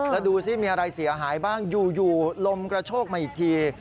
แล้วดูสิมีอะไรเสียหายบ้างอยู่ลมกระโชกมาอีกที